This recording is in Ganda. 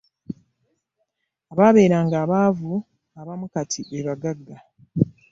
Abaabeeranga abaavu abamu kati be bagagga.